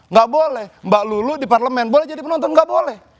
nggak boleh mbak lulu di parlemen boleh jadi penonton nggak boleh